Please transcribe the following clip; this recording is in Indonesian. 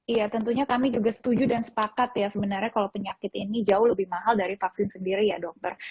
iya tentunya kami juga setuju dan sepakat ya sebenarnya kalau penyakit ini jauh lebih mahal dari vaksin sendiri ya dokter